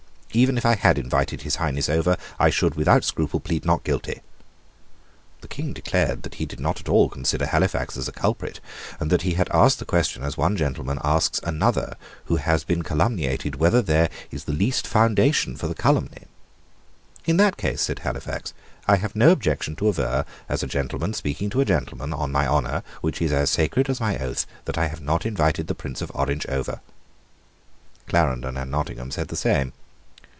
Even if I had invited His Highness over, I should without scruple plead Not Guilty." The King declared that he did not at all consider Halifax as a culprit, and that he had asked the question as one gentleman asks another who has been calumniated whether there be the least foundation for the calumny. "In that case," said Halifax, "I have no objection to aver, as a gentleman speaking to a gentleman, on my honour, which is as sacred as my oath, that I have not invited the Prince of Orange over." Clarendon and Nottingham said the same.